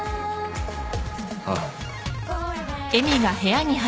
ああ。